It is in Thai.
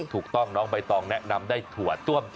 ถูกต้องน้องใบตองแนะนำได้ถั่วต้วม